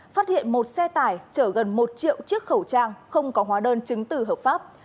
phát hiện một xe tải chở gần một triệu chiếc khẩu trang không có hóa đơn chứng từ hợp pháp